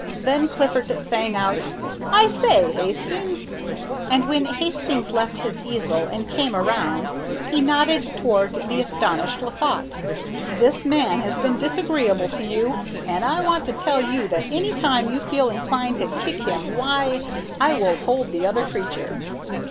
Then Clifford sang out, "I say, Hastings!" And when Hastings left his easel and came around, he nodded toward the astonished Laffat. "This man has been disagreeable to you, and I want to tell you that any time you feel inclined to kick him, why, I will hold the other creature."